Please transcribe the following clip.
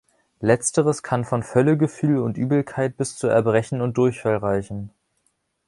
Letzteres kann von Völlegefühl und Übelkeit bis zu Erbrechen und Durchfall reichen.